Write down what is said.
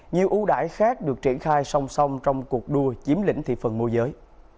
nhiều ưu đãi khác được triển khai song song trong cuộc đua chiếm lĩnh thị phần mua giới